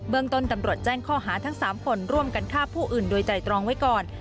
เมืองต้นตำรวจแจ้งข้อหาทั้ง๓คนร่วมกันฆ่าผู้อื่นโดยใจตรองไว้ก่อน